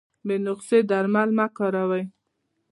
بې نسخي درمل مه کاروی